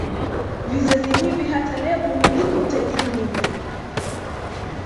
Vizazi hivi hata leo humiliki utajiri mwingi